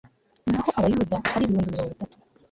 naho abayuda ari ibihumbi mirongo itatu